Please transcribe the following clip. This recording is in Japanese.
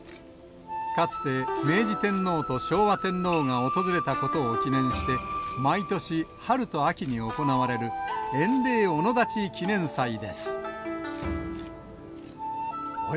かつて、明治天皇と昭和天皇が訪れたことを記念して、毎年、春と秋に行われる塩嶺御野立記念祭です。